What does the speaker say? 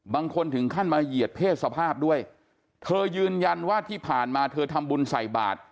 ถึงขั้นมาเหยียดเพศสภาพด้วยเธอยืนยันว่าที่ผ่านมาเธอทำบุญใส่บาท